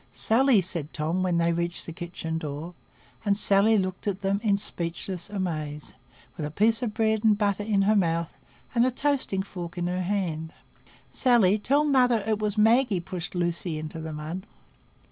"Sally," said Tom, when they reached the kitchen door, and Sally looked at them in speechless amaze, with a piece of bread and butter in her mouth and a toasting fork in her hand,—"Sally, tell mother it was Maggie pushed Lucy into the mud."